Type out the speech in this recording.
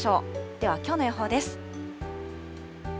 ではきょうの予報です。